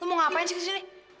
mau ngapain sih kesini